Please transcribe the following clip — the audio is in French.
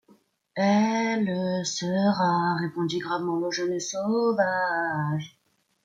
Elle le sera, » répondit gravement le jeune sauvage.